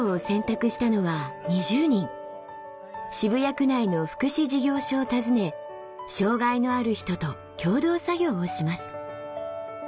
渋谷区内の福祉事業所を訪ね障害のある人と共同作業をします。